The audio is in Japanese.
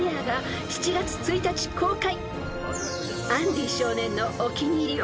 ［アンディ少年のお気に入り